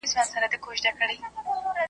د ښکاریانو له دامونو غورځېدلی .